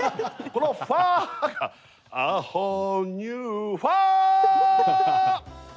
このファーがア・ホール・ニュー・ファー！